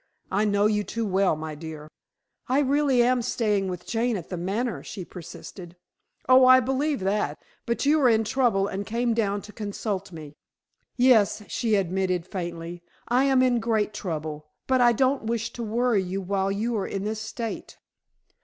I know you too well, my dear." "I really am staying with Jane at The Manor," she persisted. "Oh, I believe that; but you are in trouble and came down to consult me." "Yes," she admitted faintly. "I am in great trouble. But I don't wish to worry you while you are in this state."